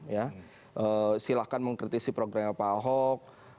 ya silahkan mengkritisi programnya pak ahok